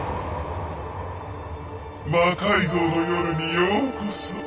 「魔改造の夜」にようこそ。